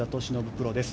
プロです。